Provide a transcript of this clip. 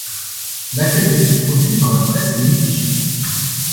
L'accueil de ces produits par la presse est mitigé.